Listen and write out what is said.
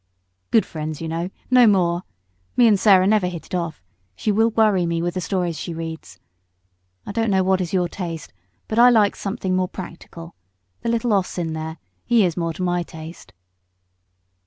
"Good friends, you know no more. Sarah and me never hit it off; she will worry me with the stories she reads. I don't know what is your taste, but I likes something more practical; the little 'oss in there, he is more to my taste."